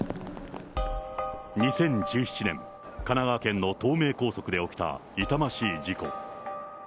２０１７年、神奈川県の東名高速で起きた痛ましい事故。